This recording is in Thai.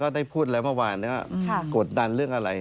ได้พูดแล้วเมื่อวานว่ากดดันเรื่องอะไร